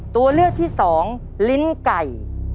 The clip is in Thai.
ตัวเลือกที่๒ลิ้นไก่